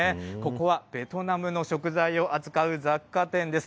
ここはベトナムの食材を扱う雑貨店です。